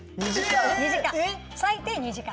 最低２時間。